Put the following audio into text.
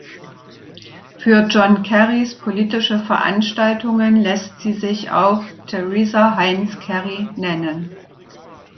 Für John Kerrys politische Veranstaltungen lässt sie sich auch "Teresa Heinz Kerry" nennen.